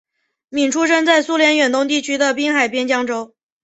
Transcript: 闵出生在苏联远东地区的滨海边疆州。